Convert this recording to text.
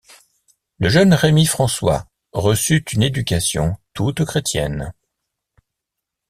Le jeune Rémi François reçut une éducation toute chrétienne.